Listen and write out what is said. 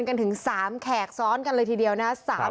กันถึง๓แขกซ้อนกันเลยทีเดียวนะครับ